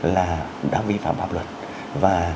là đang vi phạm bạo luật và